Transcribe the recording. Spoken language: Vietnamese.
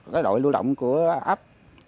cái đội lưu động của ấp